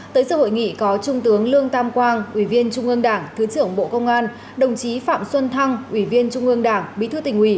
tới sự hội nghị có trung tướng lương tam quang ủy viên trung ương đảng thứ trưởng bộ công an đồng chí phạm xuân thăng ủy viên trung ương đảng bí thư tỉnh ủy